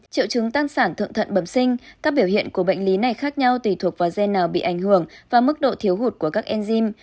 triệu chứng sản thượng thận bẩm sinh các biểu hiện của bệnh lý này khác nhau tùy thuộc vào gen nào bị ảnh hưởng và mức độ thiếu hụt của các enzym